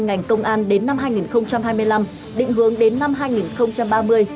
của lãnh công an đến năm hai nghìn hai mươi năm định hướng đến năm hai nghìn ba mươi